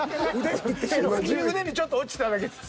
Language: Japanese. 「自分の腕にちょっと落ちただけです」。